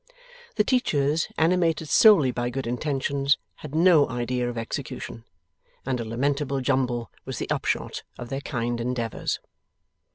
The teachers, animated solely by good intentions, had no idea of execution, and a lamentable jumble was the upshot of their kind endeavours.